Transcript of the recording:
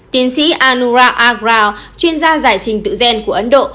tiến sĩ anurag agraw chuyên gia giải trình tự gen của ấn độ